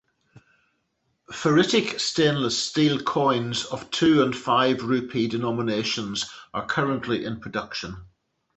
Ferritic Stainless Steel coins of Two and Five Rupee denominations are currently in production.